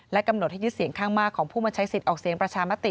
กำหนดให้ยึดเสียงข้างมากของผู้มาใช้สิทธิ์ออกเสียงประชามติ